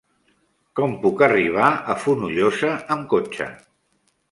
Com puc arribar a Fonollosa amb cotxe?